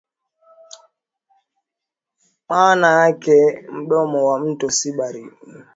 maana yake mdomo wa mto si baharini bali kwenye nchi kavumaji yakiishia jangwani